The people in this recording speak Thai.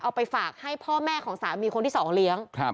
เอาไปฝากให้พ่อแม่ของสามีคนที่สองเลี้ยง